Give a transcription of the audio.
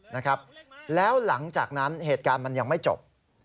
นะครับแล้วหลังจากนั้นเหตุการณ์มันยังไม่จบ